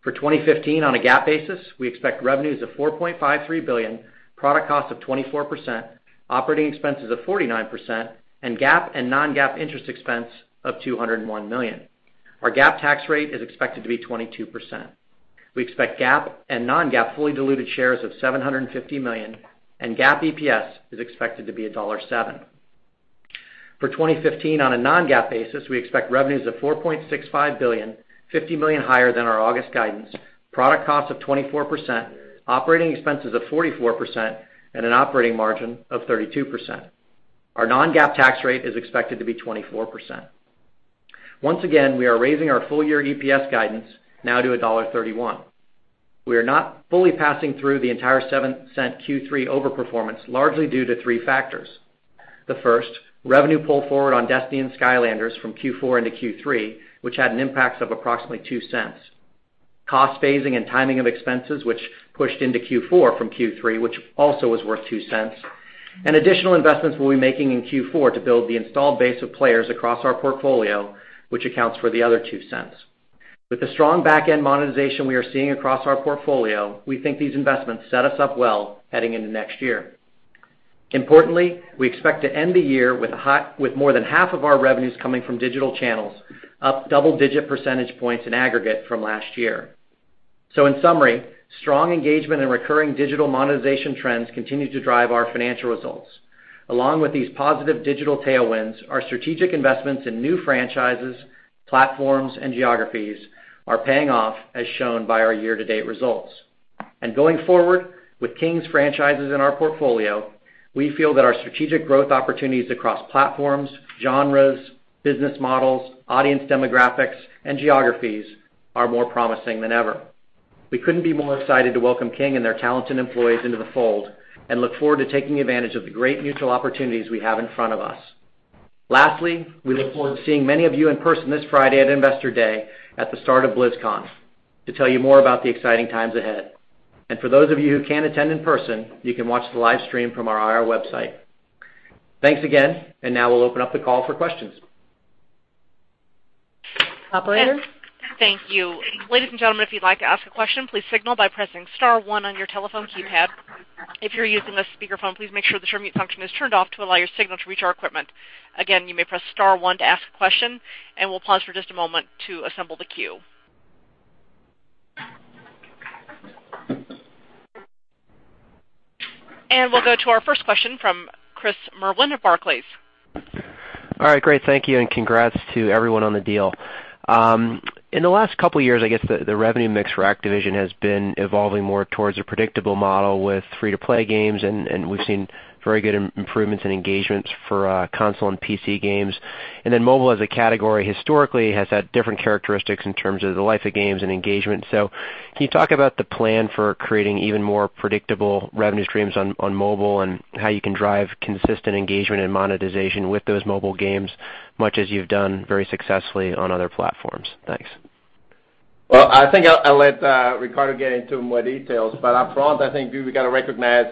For 2015 on a GAAP basis, we expect revenues of $4.53 billion, product costs of 24%, operating expenses of 49%, and GAAP and non-GAAP interest expense of $201 million. Our GAAP tax rate is expected to be 22%. We expect GAAP and non-GAAP fully diluted shares of 750 million, and GAAP EPS is expected to be $1.07. For 2015 on a non-GAAP basis, we expect revenues of $4.65 billion, $50 million higher than our August guidance, product costs of 24%, operating expenses of 44%, and an operating margin of 32%. Our non-GAAP tax rate is expected to be 24%. Once again, we are raising our full year EPS guidance now to $1.31. We are not fully passing through the entire $0.07 Q3 over-performance, largely due to three factors. The first, revenue pull forward on Destiny and Skylanders from Q4 into Q3, which had an impact of approximately $0.02. Cost phasing and timing of expenses, which pushed into Q4 from Q3, which also was worth $0.02. Additional investments we'll be making in Q4 to build the installed base of players across our portfolio, which accounts for the other $0.02. With the strong back-end monetization we are seeing across our portfolio, we think these investments set us up well heading into next year. Importantly, we expect to end the year with more than half of our revenues coming from digital channels, up double-digit percentage points in aggregate from last year. In summary, strong engagement and recurring digital monetization trends continue to drive our financial results. Along with these positive digital tailwinds, our strategic investments in new franchises, platforms, and geographies are paying off, as shown by our year-to-date results. Going forward with King's franchises in our portfolio, we feel that our strategic growth opportunities across platforms, genres, business models, audience demographics, and geographies are more promising than ever. We couldn't be more excited to welcome King and their talented employees into the fold, and look forward to taking advantage of the great mutual opportunities we have in front of us. Lastly, we look forward to seeing many of you in person this Friday at Investor Day at the start of BlizzCon, to tell you more about the exciting times ahead. For those of you who can't attend in person, you can watch the live stream from our IR website. Thanks again. Now we'll open up the call for questions. Operator? Thank you. Ladies and gentlemen, if you'd like to ask a question, please signal by pressing star one on your telephone keypad. If you're using a speakerphone, please make sure the mute function is turned off to allow your signal to reach our equipment. Again, you may press star one to ask a question. We'll pause for just a moment to assemble the queue. We'll go to our first question from Chris Merwin of Barclays. All right, great. Thank you, and congrats to everyone on the deal. In the last couple of years, I guess the revenue mix for Activision has been evolving more towards a predictable model with free-to-play games, and we've seen very good improvements in engagements for console and PC games. Mobile as a category historically has had different characteristics in terms of the life of games and engagement. Can you talk about the plan for creating even more predictable revenue streams on mobile, and how you can drive consistent engagement and monetization with those mobile games, much as you've done very successfully on other platforms? Thanks. Well, I think I'll let Riccardo get into more details. Up front, I think we've got to recognize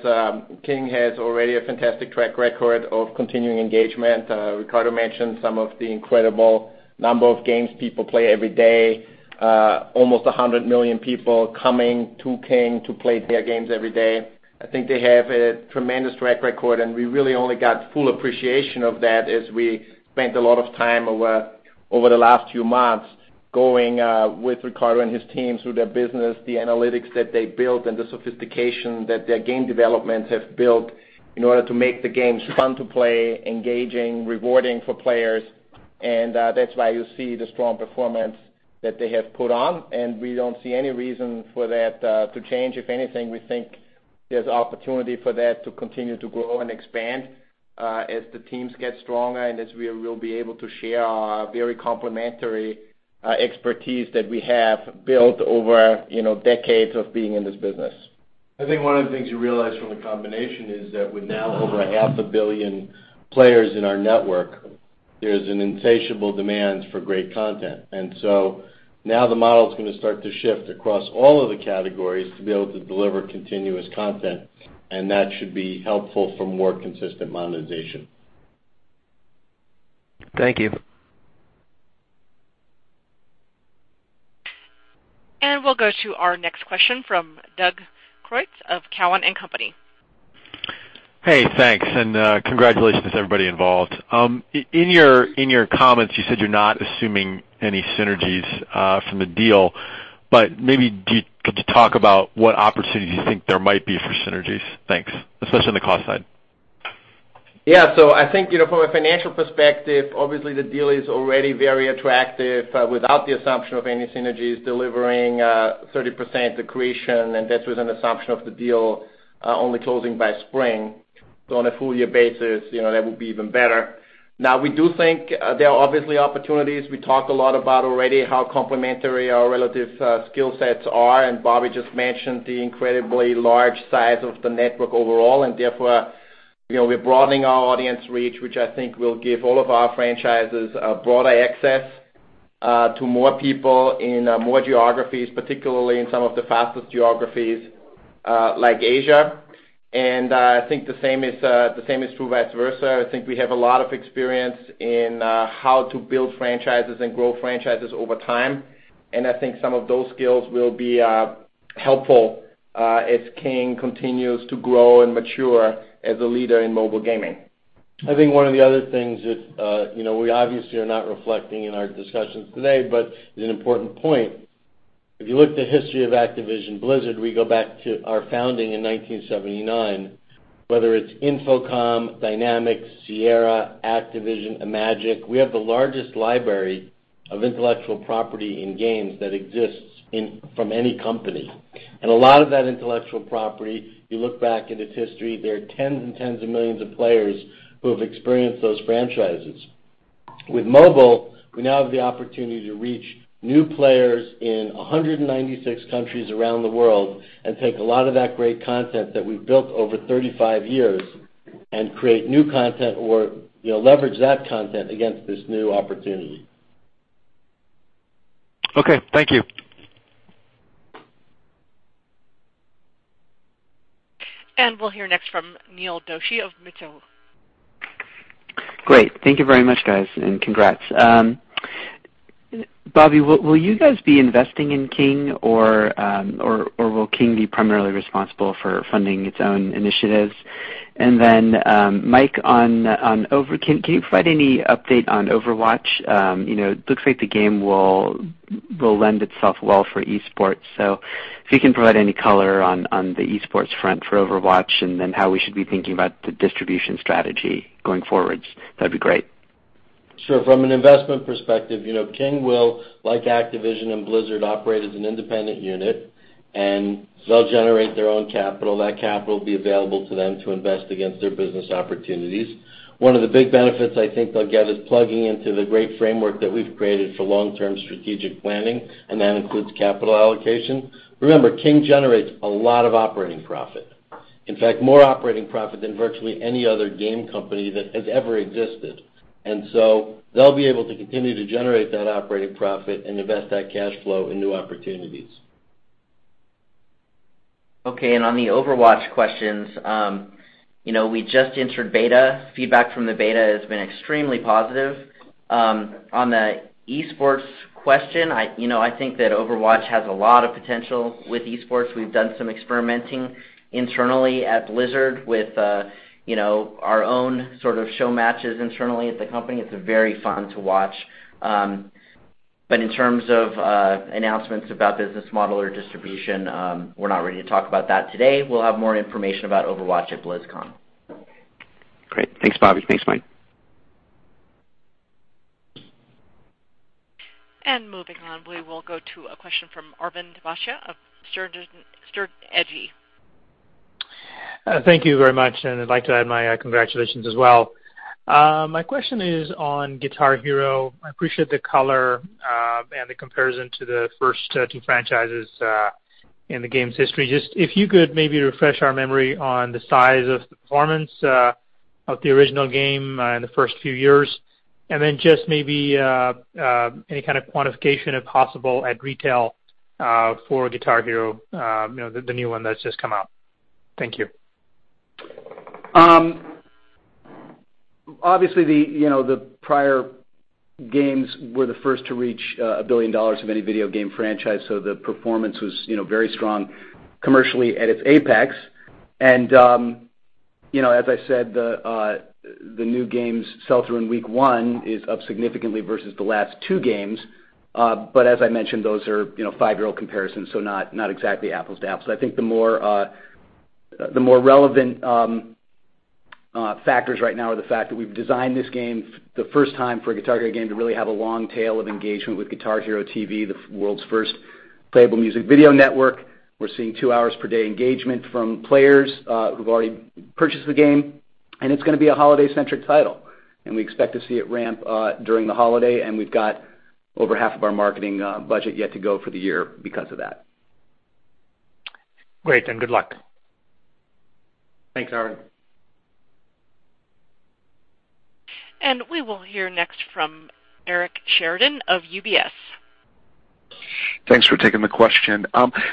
King has already a fantastic track record of continuing engagement. Riccardo mentioned some of the incredible number of games people play every day. Almost 100 million people coming to King to play their games every day. I think they have a tremendous track record, and we really only got full appreciation of that as we spent a lot of time over the last few months going with Riccardo and his teams through their business, the analytics that they built, and the sophistication that their game developments have built in order to make the games fun to play, engaging, rewarding for players. That's why you see the strong performance that they have put on, and we don't see any reason for that to change. If anything, we think there's opportunity for that to continue to grow and expand as the teams get stronger and as we'll be able to share our very complementary expertise that we have built over decades of being in this business. I think one of the things you realize from the combination is that with now over a half a billion players in our network, there's an insatiable demand for great content. Now the model's going to start to shift across all of the categories to be able to deliver continuous content, and that should be helpful for more consistent monetization. Thank you. We'll go to our next question from Doug Creutz of Cowen and Company. Hey, thanks, and congratulations to everybody involved. In your comments, you said you're not assuming any synergies from the deal. Maybe could you talk about what opportunities you think there might be for synergies? Thanks. Especially on the cost side. Yeah. I think from a financial perspective, obviously the deal is already very attractive without the assumption of any synergies delivering 30% accretion, and that's with an assumption of the deal only closing by spring. On a full year basis, that will be even better. We do think there are obviously opportunities. We talked a lot about already how complementary our relative skill sets are, Bobby just mentioned the incredibly large size of the network overall, and therefore we're broadening our audience reach, which I think will give all of our franchises a broader access to more people in more geographies, particularly in some of the fastest geographies like Asia. I think the same is true vice versa. I think we have a lot of experience in how to build franchises and grow franchises over time, and I think some of those skills will be helpful as King continues to grow and mature as a leader in mobile gaming. I think one of the other things that we obviously are not reflecting in our discussions today, but is an important point. If you look at the history of Activision Blizzard, we go back to our founding in 1979. Whether it's Infocom, Dynamix, Sierra, Activision, Imagic, we have the largest library of intellectual property in games that exists from any company. A lot of that intellectual property, you look back at its history, there are tens and tens of millions of players who have experienced those franchises. With mobile, we now have the opportunity to reach new players in 196 countries around the world and take a lot of that great content that we've built over 35 years and create new content or leverage that content against this new opportunity. Okay. Thank you. We'll hear next from Neil Doshi of Mizuho. Great. Thank you very much, guys, and congrats. Bobby, will you guys be investing in King or will King be primarily responsible for funding its own initiatives? Mike, can you provide any update on Overwatch? It looks like the game will lend itself well for esports. If you can provide any color on the esports front for Overwatch how we should be thinking about the distribution strategy going forward, that'd be great. Sure. From an investment perspective, King will, like Activision and Blizzard, operate as an independent unit, and they'll generate their own capital. That capital will be available to them to invest against their business opportunities. One of the big benefits I think they'll get is plugging into the great framework that we've created for long-term strategic planning, and that includes capital allocation. Remember, King generates a lot of operating profit, in fact, more operating profit than virtually any other game company that has ever existed. They'll be able to continue to generate that operating profit and invest that cash flow in new opportunities. Okay, on the Overwatch questions. We just entered beta. Feedback from the beta has been extremely positive. On the esports question, I think that Overwatch has a lot of potential with esports. We've done some experimenting internally at Blizzard with our own sort of show matches internally at the company. It's very fun to watch. In terms of announcements about business model or distribution, we're not ready to talk about that today. We'll have more information about Overwatch at BlizzCon. Great. Thanks, Bobby. Thanks, Mike. Moving on, we will go to a question from Arvind Bhatia of Sterne Agee CRT. Thank you very much. I'd like to add my congratulations as well. My question is on Guitar Hero. I appreciate the color and the comparison to the first two franchises in the game's history. Just if you could maybe refresh our memory on the size of the performance of the original game in the first few years, then just maybe any kind of quantification, if possible, at retail for Guitar Hero, the new one that's just come out. Thank you. Obviously, the prior games were the first to reach $1 billion of any video game franchise. The performance was very strong commercially at its apex. As I said, the new game's sell-through in week 1 is up significantly versus the last two games. As I mentioned, those are 5-year-old comparisons, not exactly apples to apples. I think the more relevant factors right now are the fact that we've designed this game, the first time for a Guitar Hero game to really have a long tail of engagement with Guitar Hero TV, the world's first playable music video network. We're seeing 2 hours per day engagement from players who've already purchased the game. It's going to be a holiday-centric title, we expect to see it ramp during the holiday. We've got over half of our marketing budget yet to go for the year because of that. Great, good luck. Thanks, Arvind. We will hear next from Eric Sheridan of UBS. Thanks for taking the question.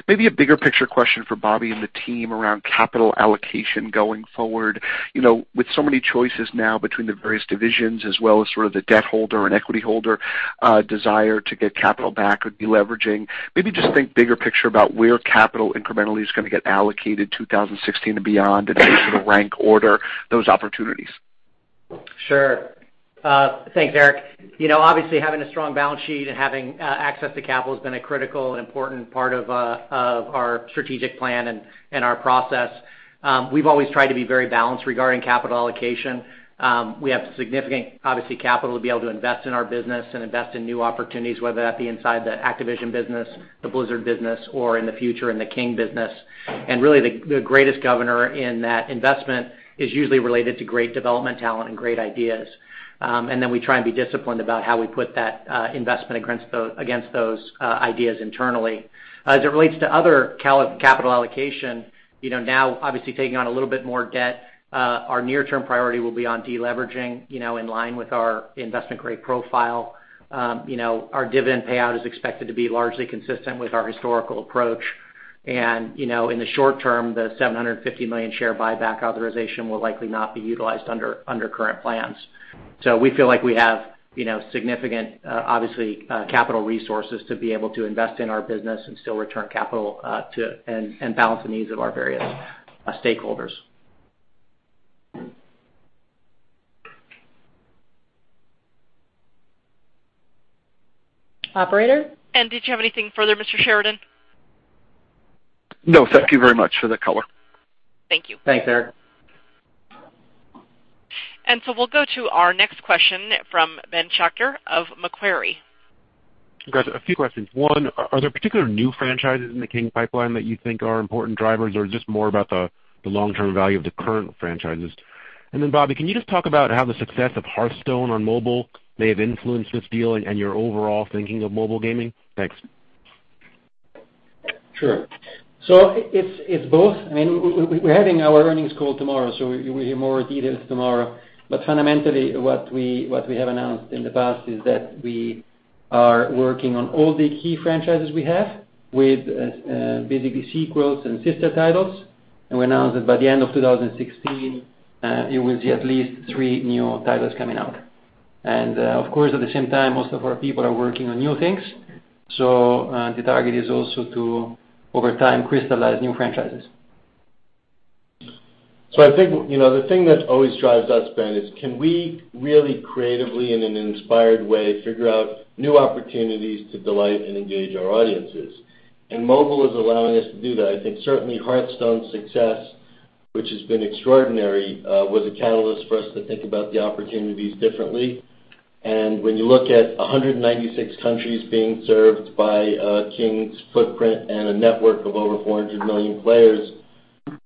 Maybe a bigger picture question for Bobby and the team around capital allocation going forward. With so many choices now between the various divisions as well as sort of the debt holder and equity holder desire to get capital back or deleveraging, maybe just think bigger picture about where capital incrementally is going to get allocated 2016 and beyond and maybe sort of rank order those opportunities. Thanks, Eric. Obviously, having a strong balance sheet and having access to capital has been a critical and important part of our strategic plan and our process. We've always tried to be very balanced regarding capital allocation. We have significant, obviously, capital to be able to invest in our business and invest in new opportunities, whether that be inside the Activision business, the Blizzard business, or in the future, in the King business. Really, the greatest governor in that investment is usually related to great development talent and great ideas. Then we try and be disciplined about how we put that investment against those ideas internally. As it relates to other capital allocation, now obviously taking on a little bit more debt, our near-term priority will be on de-leveraging in line with our investment-grade profile. Our dividend payout is expected to be largely consistent with our historical approach. In the short term, the $750 million share buyback authorization will likely not be utilized under current plans. We feel like we have significant, obviously, capital resources to be able to invest in our business and still return capital and balance the needs of our various stakeholders. Operator? Did you have anything further, Mr. Sheridan? No. Thank you very much for the color. Thank you. Thanks, Eric. We'll go to our next question from Ben Schachter of Macquarie. Guys, a few questions. One, are there particular new franchises in the King pipeline that you think are important drivers or just more about the long-term value of the current franchises? Bobby, can you just talk about how the success of Hearthstone on mobile may have influenced this deal and your overall thinking of mobile gaming? Thanks. Sure. It's both. We're having our earnings call tomorrow, so you will hear more details tomorrow. Fundamentally, what we have announced in the past is that we are working on all the key franchises we have with basically sequels and sister titles. We announced that by the end of 2016, you will see at least three new titles coming out. Of course, at the same time, most of our people are working on new things. The target is also to, over time, crystallize new franchises. I think the thing that always drives us, Ben, is can we really creatively in an inspired way figure out new opportunities to delight and engage our audiences? Mobile is allowing us to do that. I think certainly Hearthstone's success, which has been extraordinary, was a catalyst for us to think about the opportunities differently. When you look at 196 countries being served by King's footprint and a network of over 400 million players,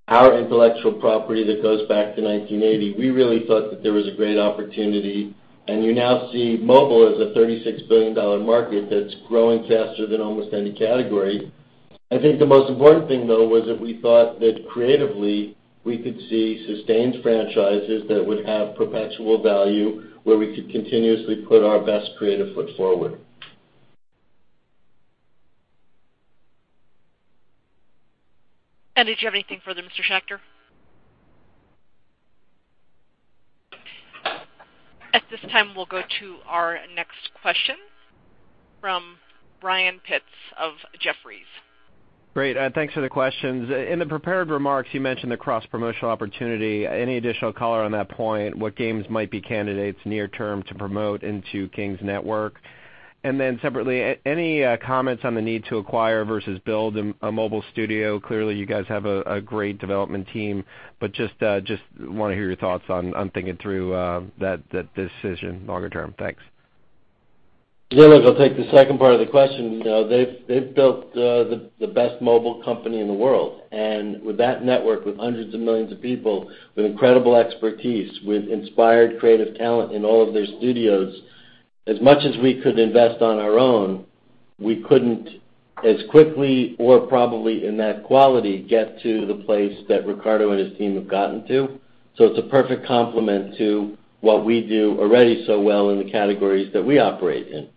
our intellectual property that goes back to 1980, we really thought that there was a great opportunity, and you now see mobile as a $36 billion market that's growing faster than almost any category. I think the most important thing, though, was that we thought that creatively we could see sustained franchises that would have perpetual value where we could continuously put our best creative foot forward. Did you have anything further, Mr. Schachter? At this time, we'll go to our next question from Brian Pitz of Jefferies. Great, thanks for the questions. In the prepared remarks, you mentioned the cross-promotional opportunity. Any additional color on that point? What games might be candidates near term to promote into King's network? Separately, any comments on the need to acquire versus build a mobile studio? Clearly, you guys have a great development team, but just want to hear your thoughts on thinking through that decision longer term. Thanks. Yeah, look, I'll take the second part of the question. They've built the best mobile company in the world. With that network, with hundreds of millions of people, with incredible expertise, with inspired creative talent in all of their studios, as much as we could invest on our own, we couldn't as quickly or probably in that quality, get to the place that Riccardo and his team have gotten to. It's a perfect complement to what we do already so well in the categories that we operate in.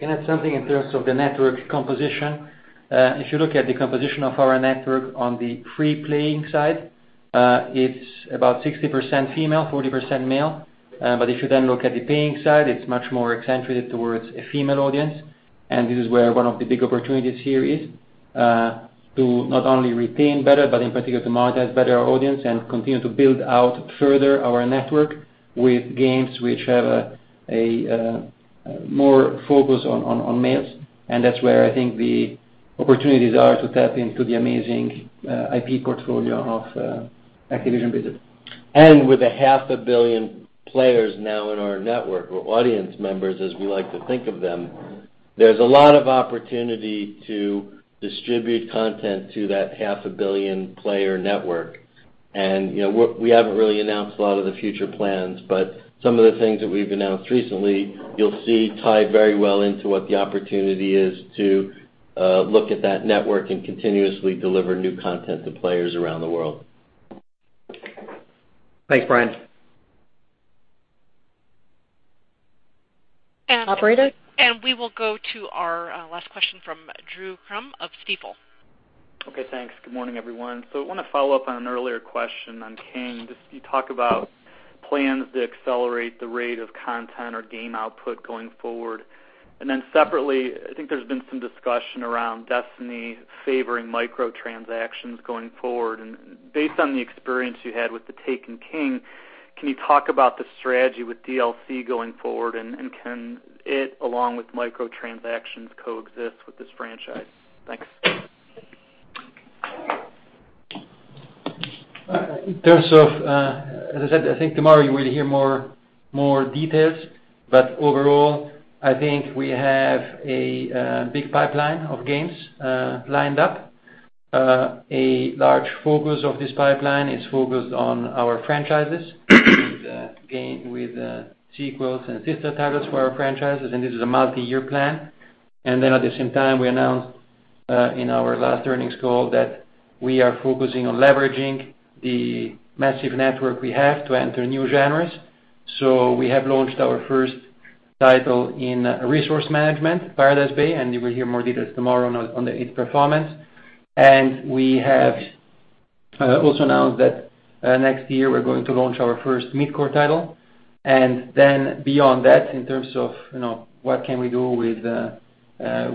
Can I add something in terms of the network composition? If you look at the composition of our network on the free playing side, it's about 60% female, 40% male. If you then look at the paying side, it's much more accented towards a female audience, and this is where one of the big opportunities here is to not only retain better, but in particular to monetize better our audience and continue to build out further our network with games which have more focus on males. That's where I think the opportunities are to tap into the amazing IP portfolio of Activision Blizzard. With a half a billion players now in our network, or audience members, as we like to think of them, there's a lot of opportunity to distribute content to that half a billion player network. We haven't really announced a lot of the future plans, but some of the things that we've announced recently you'll see tied very well into what the opportunity is to look at that network and continuously deliver new content to players around the world. Thanks, Brian. Operator? We will go to our last question from Drew Crum of Stifel. Okay, thanks. Good morning, everyone. I want to follow up on an earlier question on King. You talk about plans to accelerate the rate of content or game output going forward. Separately, I think there's been some discussion around Destiny favoring micro-transactions going forward. Based on the experience you had with The Taken King, can you talk about the strategy with DLC going forward, and can it, along with micro-transactions, coexist with this franchise? Thanks. In terms of, as I said, I think tomorrow you will hear more details. Overall, I think we have a big pipeline of games lined up. A large focus of this pipeline is focused on our franchises with games, with sequels and sister titles for our franchises, and this is a multi-year plan. At the same time, we announced in our last earnings call that we are focusing on leveraging the massive network we have to enter new genres. We have launched our first title in resource management, Paradise Bay, and you will hear more details tomorrow on its performance. We have also announced that next year we're going to launch our first mid-core title. Beyond that, in terms of what can we do with the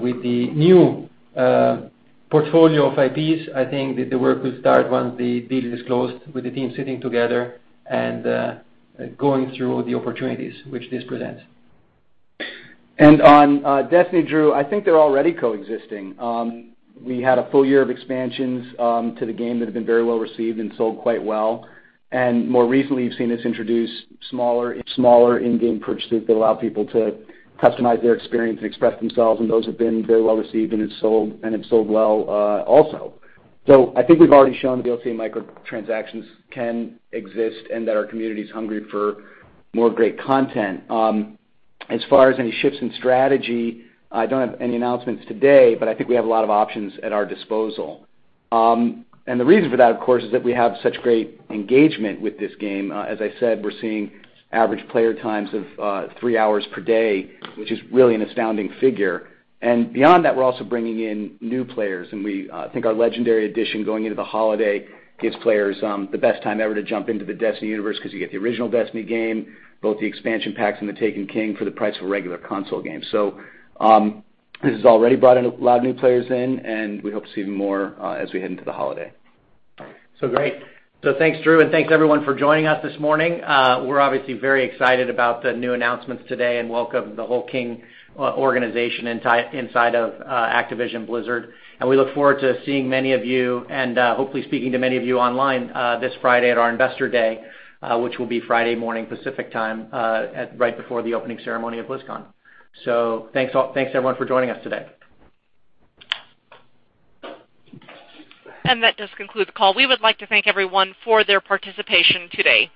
new portfolio of IPs, I think that the work will start once the deal is closed with the team sitting together and going through all the opportunities which this presents. On Destiny, Drew, I think they're already coexisting. We had a full year of expansions to the game that have been very well received and sold quite well. More recently, you've seen us introduce smaller in-game purchases that allow people to customize their experience and express themselves, and those have been very well received and have sold well also. I think we've already shown that DLC and micro-transactions can exist and that our community is hungry for more great content. As far as any shifts in strategy, I don't have any announcements today, but I think we have a lot of options at our disposal. The reason for that, of course, is that we have such great engagement with this game. As I said, we're seeing average player times of three hours per day, which is really an astounding figure. Beyond that, we're also bringing in new players. We think our Legendary Edition going into the holiday gives players the best time ever to jump into the Destiny universe because you get the original Destiny game, both the expansion packs, and the Taken King for the price of a regular console game. This has already brought a lot of new players in, and we hope to see more as we head into the holiday. Great. Thanks, Drew, and thanks everyone for joining us this morning. We're obviously very excited about the new announcements today and welcome the whole King organization inside of Activision Blizzard. We look forward to seeing many of you and hopefully speaking to many of you online this Friday at our Investor Day, which will be Friday morning, Pacific time right before the opening ceremony of BlizzCon. Thanks everyone for joining us today. That does conclude the call. We would like to thank everyone for their participation today.